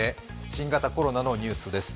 新型コロナのニュースです。